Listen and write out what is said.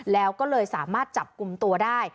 แล้วก็เลยสามารถจับกลุ่มตัวได้